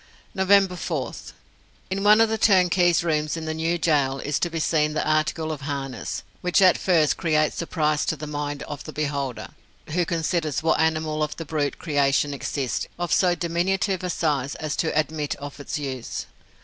November 4th. In one of the turnkey's rooms in the new gaol is to be seen an article of harness, which at first creates surprise to the mind of the beholder, who considers what animal of the brute creation exists of so diminutive a size as to admit of its use.